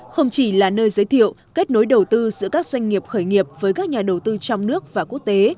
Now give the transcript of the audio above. không chỉ là nơi giới thiệu kết nối đầu tư giữa các doanh nghiệp khởi nghiệp với các nhà đầu tư trong nước và quốc tế